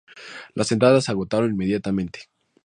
Las entradas se agotaron inmediatamente.